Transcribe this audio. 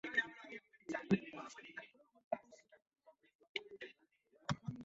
Su primera banda fue Shift, una agrupación de hardcore.